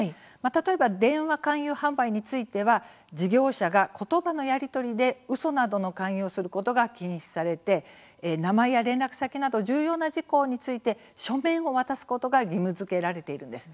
例えば電話勧誘販売については事業者が言葉のやり取りでうそなどの勧誘をすることが禁止されて、名前や連絡先など重要な事項について書面を渡すことが義務づけられているんです。